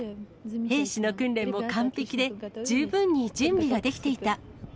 兵士の訓練も完璧で、十分に準備ができていた。